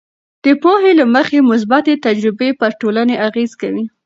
د پوهې له مخې، مثبتې تجربې پر ټولنې اغیز کوي.